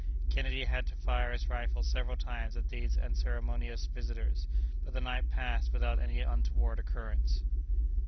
Kennedy had to fire his rifle several times at these unceremonious visitors, but the night passed without any untoward occurrence.